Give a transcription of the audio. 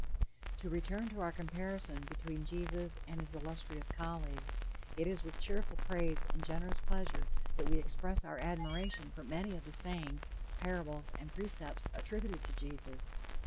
To return to our comparison between Jesus and his illustrious colleagues. It is with cheerful praise and generous pleasure that we express our admiration for many of the sayings, parables, and precepts attributed to Jesus.